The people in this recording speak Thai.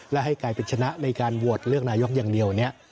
และให้กลายเป็นชนะในการโหวตเลือกนายกอย่างเดียวเนี่ย